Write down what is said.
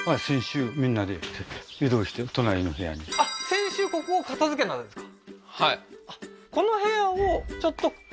先週ここを片づけたんですか？